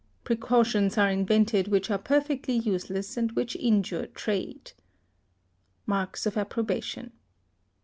Precautions are invented which are perfectly useless and which injure trade. (Marks of approbation.)